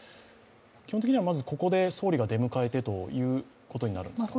基本的にはまずここで総理が出迎えてということになるんですか？